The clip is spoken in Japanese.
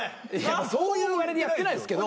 そういうあれでやってないですけど。